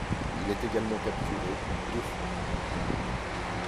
Il est également capturé deux fois.